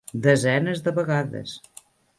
Desenes de vegades.